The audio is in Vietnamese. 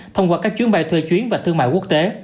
thông qua các chuyến bay thuê chuyến và thương mại quốc tế